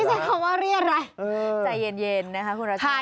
นี่ใช่คำว่าเหรียญอะไรใจเย็นนะคะคุณรับทราบ